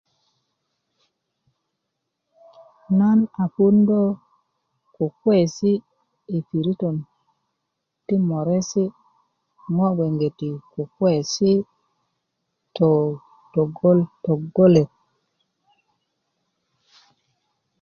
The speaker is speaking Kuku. nan a puundö kukuwesi' yi piritö ti moresi' ŋo' gbeŋgeti kukuwesi' too togol togolet